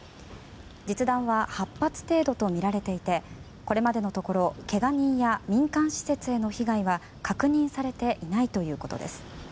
実弾は８発程度とみられていてこれまでのところけが人や民間施設への被害は確認されていないということです。